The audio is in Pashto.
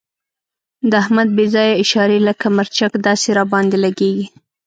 د احمد بې ځایه اشارې لکه مرچک داسې را باندې لګېږي.